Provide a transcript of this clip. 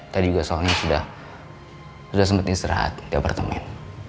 tadi gue soalnya sudah sempetin istirahat di apartemen